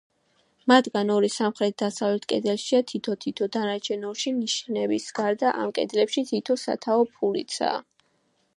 მათგან ორი სამხრეთ-დასავლეთ კედელშია თითო-თითო, დანარჩენ ორში ნიშების გარდა ამ კედლებში თითო სათაო ფურიცაა.